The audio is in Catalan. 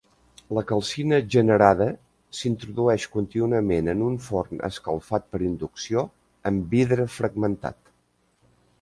La "calcina" generada s'introdueix contínuament en un forn escalfat per inducció amb vidre fragmentat.